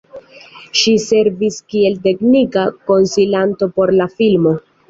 Ŝi servis kiel teknika konsilanto por la filmo.